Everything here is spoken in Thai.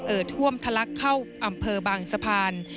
ท่วมทะลักเข้าอำเภอบางสะพาน